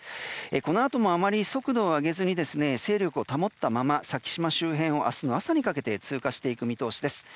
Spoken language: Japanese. このあともあまり速度を上げずに勢力を保ったまま先島周辺を明日の朝にかけて通過していく見通しです。